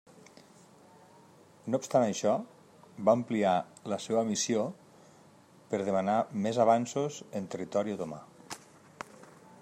No obstant això, va ampliar la seva missió per demanar més avanços en territori otomà.